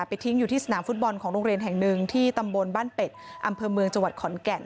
ทิ้งอยู่ที่สนามฟุตบอลของโรงเรียนแห่งหนึ่งที่ตำบลบ้านเป็ดอำเภอเมืองจังหวัดขอนแก่น